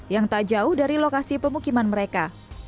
yang tak jauh dari lokasi pemukiman mereka